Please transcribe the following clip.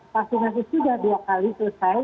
vaksinasi sudah dua kali selesai